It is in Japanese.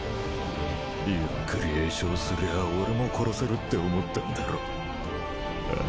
ゆっくり詠唱すりゃ俺も殺せるって思ってんだろああ